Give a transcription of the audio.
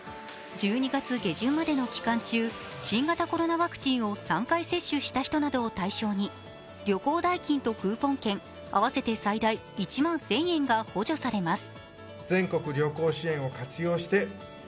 １２月下旬までの期間中、新型コロナワクチンを３回接種した人などを対象に旅行代金とクーポン券、合わせて最大１万１０００円が補助されます。